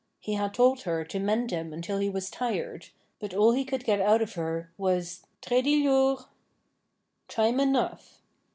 He had told her to mend them until he was tired, but all he could get out of her was 'Traa dy liooar.' Time enough!